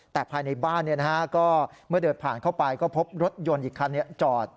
แต่ภายในบ้านก็เมื่อเดินผ่านเข้าไปก็พบรถยนต์อีกคันจอด